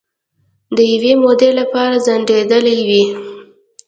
د یوې مودې لپاره ځنډیدېلې وې